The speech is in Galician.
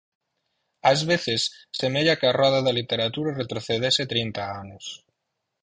Ás veces, semella que a roda da literatura retrocedese trinta anos.